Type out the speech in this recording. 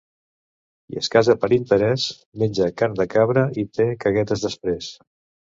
Qui es casa per l'interès, menja carn de cabra i té caguetes després.